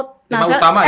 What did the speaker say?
tema utama ya